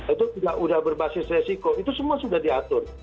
itu sudah berbasis resiko itu semua sudah diatur